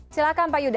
silahkan pak yuda